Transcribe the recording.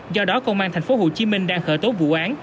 do đó công an tp hcm đang khởi tố vụ án